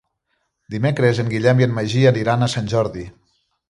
Dimecres en Guillem i en Magí aniran a Sant Jordi.